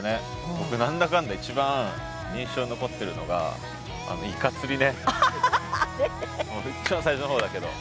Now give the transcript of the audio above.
僕何だかんだ一番印象に残ってるのが一番最初のほうだけど。